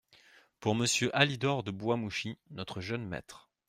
Pour Monsieur Alidor de Boismouchy, notre jeune maître…